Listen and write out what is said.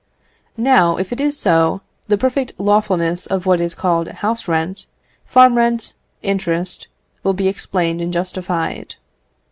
Now, if it is so, the perfect lawfulness of what is called house rent, farm rent, interest, will be explained and justified.